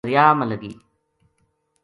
دریا ما لگی